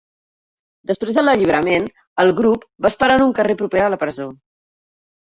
Després de l'alliberament, el grup va esperar en un carrer proper a la presó.